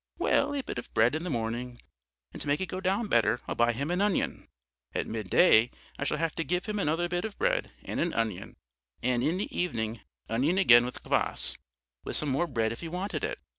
Well, a bit of bread in the morning, and to make it go down better I'll buy him an onion. At midday I should have to give him another bit of bread and an onion; and in the evening, onion again with kvass, with some more bread if he wanted it.